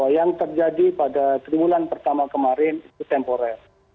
apa yang terjadi pada perumulan pertama kemarin itu temporal